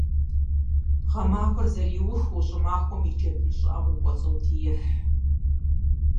Гъэмахуэр зэриухыу щӀымахуэм и джэбын щӀыӀэм укӀуэцӀодиихь.